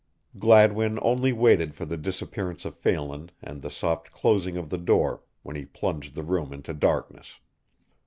Gladwin only waited for the disappearance of Phelan and the soft closing of the door when he plunged the room into darkness.